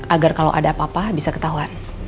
agar kalau ada apa apa bisa ketahuan